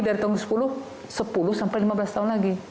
dari tahun ke sepuluh sepuluh lima belas tahun lagi